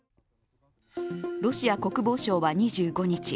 ロシア国防省は２５日